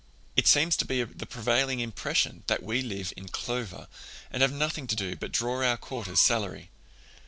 It seems to be the prevailing impression that we live in clover, and have nothing to do but draw our quarter's salary.